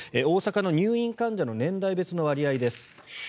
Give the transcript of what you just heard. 大阪の入院患者の年代別の割合です。